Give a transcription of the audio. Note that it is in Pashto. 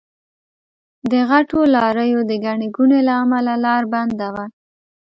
د غټو لاريو د ګڼې ګوڼې له امله لار بنده وه.